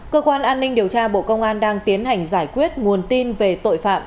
cơ quan an ninh điều tra bộ công an đang tiến hành giải quyết nguồn tin về tội phạm